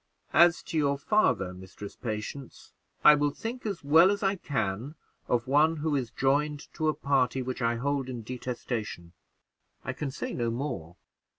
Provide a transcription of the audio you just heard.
"As to your father, Mistress Patience, I will think as well as I can of one who is joined to a party which I hold in detestation; I can say no more."